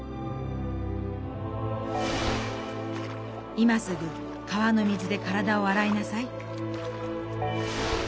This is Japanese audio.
「今すぐ川の水で体を洗いなさい」。